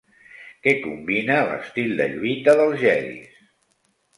Què combina l'estil de lluita dels jedis?